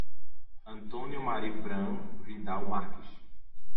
Antônio Marifram Vidal Marques